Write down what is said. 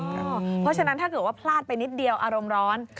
เพราะฉะนั้นถ้าเกิดว่าพลาดไปนิดเดียวอารมณ์ร้อน